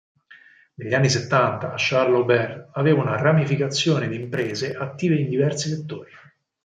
Negli anni Settanta Charles Aubert aveva una ramificazione di imprese attive in diversi settori.